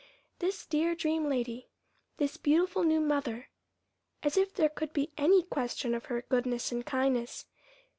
This dear dream lady, this beautiful new mother as if there could be any question of her goodness and kindness!